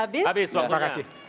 baik waktu sudah habis